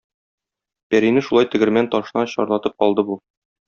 Пәрине шулай тегермән ташына чарлатып алды бу.